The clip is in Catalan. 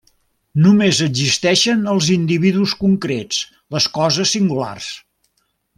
Només existeixen els individus concrets, les coses singulars.